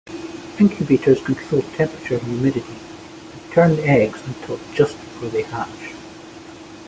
Incubators control temperature and humidity, and turn the eggs until just before they hatch.